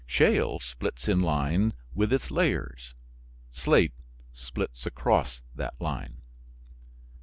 Shale splits in line with its layers; slate splits across that line.